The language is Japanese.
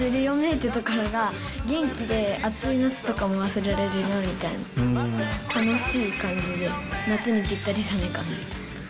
てところが、元気で暑い夏とかを思わせられるよみたいな、楽しい感じで夏にぴったりじゃないかなと。